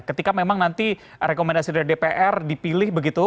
ketika memang nanti rekomendasi dari dpr dipilih begitu